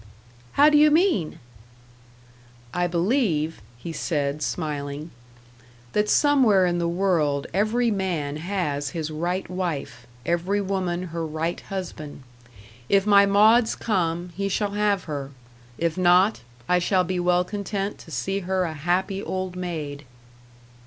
"How do you mean?" "I believe," he said, smiling, "that somewhere in the world every man has his right wife, every woman her right husband. If my Maud's come he shall have her. If not, I shall be well content to see her a happy old maid."